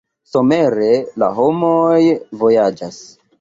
Somere la homoj vojaĝas.